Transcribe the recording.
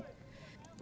trong thời khắc